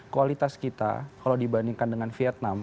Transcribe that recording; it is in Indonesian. kualitas kita kalau dibandingkan dengan vietnam